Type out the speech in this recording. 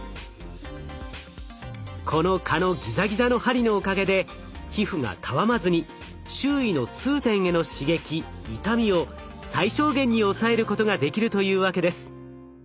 この蚊のギザギザの針のおかげで皮膚がたわまずに周囲の痛点への刺激痛みを最小限に抑えることができるというわけです。